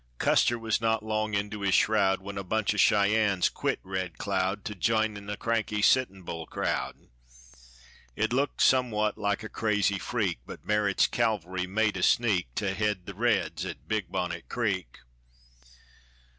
Custer was not long into his shroud When a bunch o' Cheyennes quit Red Cloud To j'in the cranky Sittin' Bull crowd. It looked somewhat like a crazy freak, But Merritt's cavalry made a sneak To head the reds at Big Bonnet Creek.